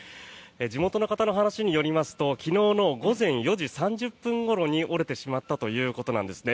地元の方の話によりますと昨日の午前４時３０分ごろに折れてしまったということなんですね。